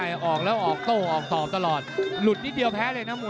หลังสู่รูปแกจากที่สำนาคานะคะ